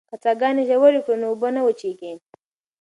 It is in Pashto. که څاګانې ژورې کړو نو اوبه نه وچېږي.